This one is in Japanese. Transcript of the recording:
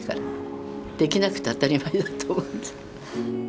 できなくて当たり前だと思って。